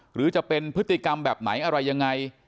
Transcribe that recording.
หรือจะเป็นพฤติกรรมแบบไหนอะไรยังไง